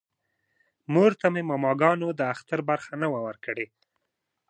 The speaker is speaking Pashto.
مور ته مې ماماګانو د اختر برخه نه وه ورکړې